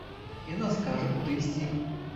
Яна скажа, куды ісці.